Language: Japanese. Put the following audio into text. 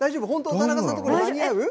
田中さんのところ、間に合う？